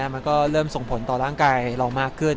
มันก็เริ่มส่งผลต่อร่างกายเรามากขึ้น